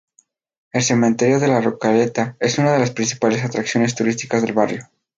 El cementerio de la Recoleta es una de las principales atracciones turísticas del barrio.